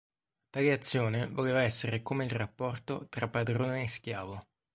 Tale azione voleva essere come il rapporto tra padrone e schiavo.